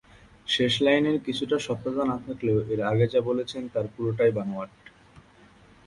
শেষ লাইনের কিছুটা সত্যতা থাকলেও এর আগে যা বলেছেন তার পুরোটাই বানোয়াট।